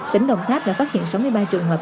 tỉnh đồng tháp đã phát hiện sáu mươi ba trường hợp